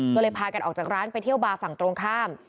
ก็เลยพากันออกจากร้านไปเที่ยวบาร์ฝั่งตรงข้าม